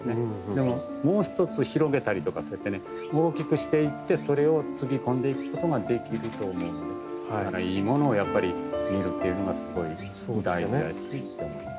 でももう一つ広げたりとかそうやってね大きくしていってそれをつぎ込んでいくことができると思うんでいいものをやっぱり見るっていうのがすごい大事だしって思います。